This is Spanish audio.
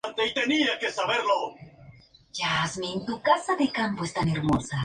Holmes perdió el caso.